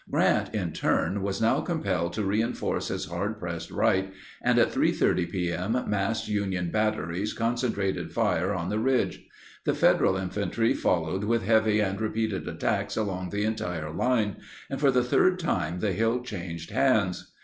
Grant, in turn, was now compelled to reinforce his hard pressed right, and at 3:30 p. m. massed Union batteries concentrated fire on the ridge. The Federal infantry followed with heavy and repeated attacks along the entire line, and for the third time the hill changed hands.